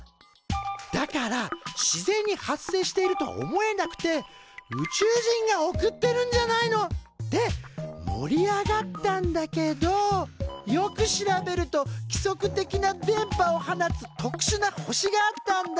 だから自然に発生しているとは思えなくて宇宙人が送ってるんじゃないの？って盛り上がったんだけどよく調べると規則的な電波を放つとくしゅな星があったんだ。